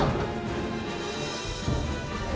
nah delapan ratus delapan puluh tuhan